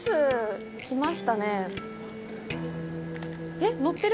えっ、乗ってる？